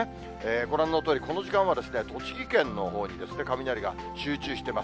ご覧のとおり、この時間は栃木県のほうに雷が集中しています。